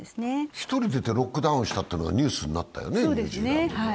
１人出てロックダウンしたってニュースになったよね。